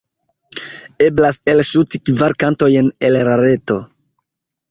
Eblas elŝuti kvar kantojn el la reto.